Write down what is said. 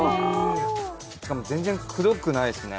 しかも全然くどくないですね。